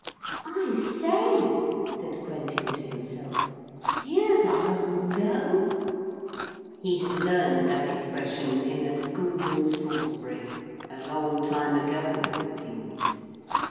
'I say,' said Quentin to himself, 'here's a rum go.' He had learned that expression in a school in Salisbury, a long time ago as it seemed.